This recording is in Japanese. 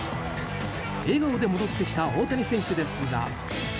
笑顔で戻ってきた大谷選手ですが。